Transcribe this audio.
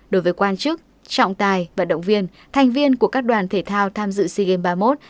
đối với quan chức trọng tài vận động viên thành viên của các đoàn thể thao tham dự sea games ba mươi một